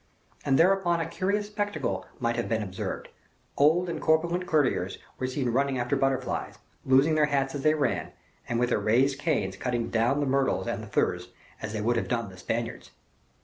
And thereupon a curious spectacle might have been observed; old and corpulent courtiers were seen running after butterflies, losing their hats as they ran, and with their raised canes cutting down the myrtles and the furze, as they would have done the Spaniards.